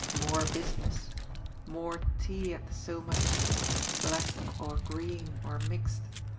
More business. More tea at so much. Black or green or mixed.